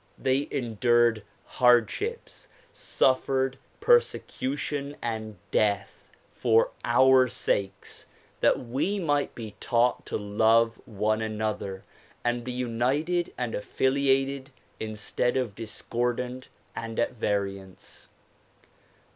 They endured hardships, suffered persecution and death for our sakes that we might be taught to love one another and be united and affiliated instead of discordant and at variance.